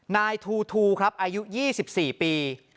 นายทูทูครับอายุ๒๔ปี